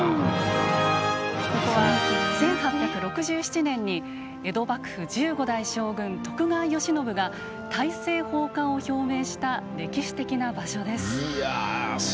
ここは１８６７年に江戸幕府１５代将軍・徳川慶喜が大政奉還を表明した歴史的な場所です。